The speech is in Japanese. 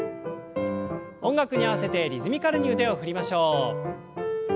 音楽に合わせてリズミカルに腕を振りましょう。